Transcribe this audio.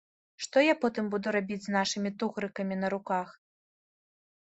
Што я потым буду рабіць з нашымі тугрыкамі на руках?